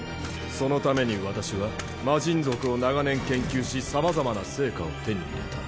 そのために私は魔神族を長年研究しさまざまな成果を手に入れた。